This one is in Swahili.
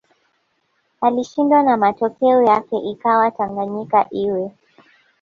alishindwa na matokeo yake ikawa Tanganyika iwe